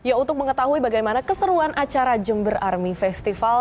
ya untuk mengetahui bagaimana keseruan acara jember army festival